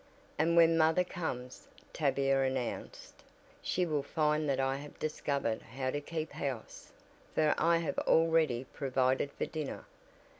"And when mother comes," Tavia announced, "she will find that I have discovered how to keep house, for I have already provided for dinner.